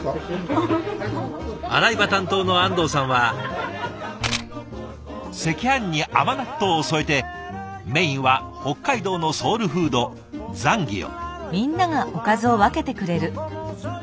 洗い場担当の安藤さんは赤飯に甘納豆を添えてメインは北海道のソウルフードザンギを。